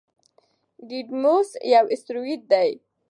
ډیډیموس یو اسټروېډ دی.